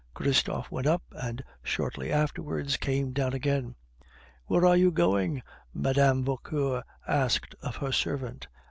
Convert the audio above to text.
Christophe went up, and shortly afterwards came down again. "Where are you going?" Mme. Vauquer asked of her servant.